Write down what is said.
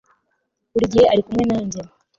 buri gihe ari kumwe nanjye